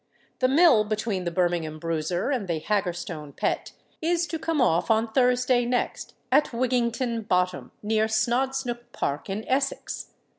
—The mill between the Birmingham Bruiser and the Haggerstone Pet is to come off on Thursday next, at Wigginton Bottom, near Snodsnook Park, in Essex.